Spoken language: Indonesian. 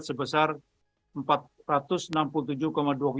sebesar rp sembilan satu triliun